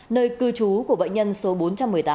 nơi cư trú của bệnh nhân số bốn trăm một mươi tám